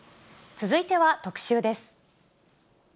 続いては特集です。